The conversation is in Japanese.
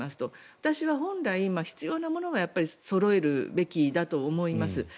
私は本来、必要なものはそろえるべきだと思います。